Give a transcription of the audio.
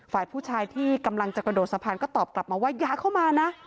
ฝ่ายผู้ชายที่กำลังจะกระโดดสะพานก็ตอบกลับมาว่าอย่าเข้ามานะ